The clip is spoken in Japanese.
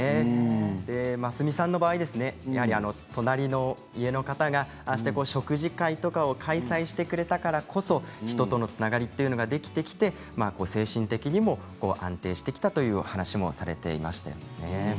真澄さんの場合隣の家の方がああして食事会とかを開催してくれたからこそ、人とのつながりというのができてきて精神的にも安定してきたという話をされていました。